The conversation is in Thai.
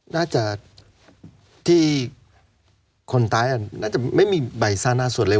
น่าจะที่คนตายน่าจะไม่มีใบสานะสดเลย